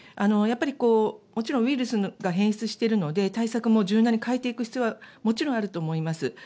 やっぱりウイルスが変質しているので対策も柔軟に変えていく必要はもちろんあると思います。